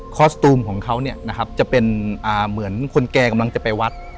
คอสตูมของเขาจะเหมือนคนแก่กำลังจะไปวัด